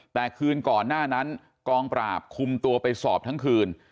แต่คืนก่อนหน้านั้นกองปราบคุมตัวไปสอบทั้งคืน